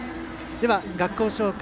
では学校紹介。